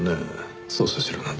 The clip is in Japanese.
「捜査しろ」なんて。